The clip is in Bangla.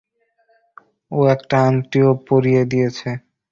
ও একটা আংটিও পরিয়ে দিয়েছে।